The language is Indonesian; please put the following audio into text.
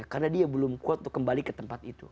karena dia belum kuat untuk kembali ke tempat itu